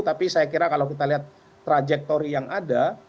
tapi saya kira kalau kita lihat trajektori yang ada